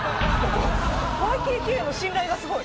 ＹＫＫへの信頼すごい！